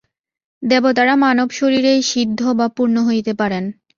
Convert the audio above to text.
দেবতারা মানব-শরীরেই সিদ্ধ বা পূর্ণ হইতে পারেন।